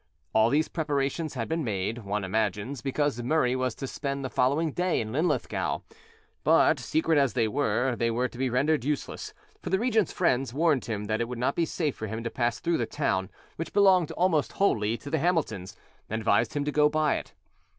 All these preparations had been made, one imagines, because Murray was to spend the following day in Linlithgow. But, secret as they were, they were to be rendered useless, for the regent's friends warned him that it would not be safe for him to pass through the town, which belonged almost wholly to the Hamiltons, and advised him to go by it.